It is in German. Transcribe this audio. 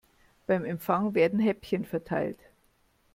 Beim Empfang werden Häppchen verteilt.